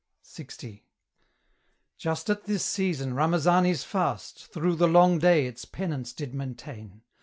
LX. Just at this season Ramazani's fast Through the long day its penance did maintain.